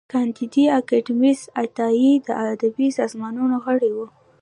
کانديد اکاډميسن عطايي د ادبي سازمانونو غړی و.